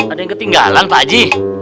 ada yang ketinggalan pakji